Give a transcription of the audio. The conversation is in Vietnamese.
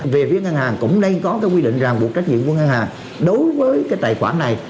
về phía ngân hàng cũng nên có cái quy định ràng buộc trách nhiệm của ngân hàng đối với cái tài khoản này